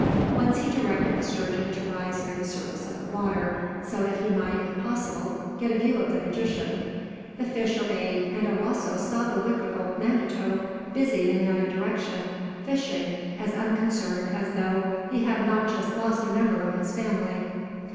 Once he directed the sturgeon to rise near the surface of the water, so that he might, if possible, get a view of the magician. The fish obeyed, and Owasso saw the wicked old Manito busy in another direction, fishing, as unconcerned as though he had not just lost a member of his family.